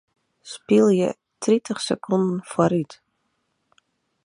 Spylje tritich sekonden foarút.